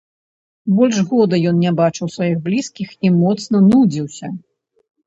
Больш года ён не бачыў сваіх блізкіх і моцна нудзіўся.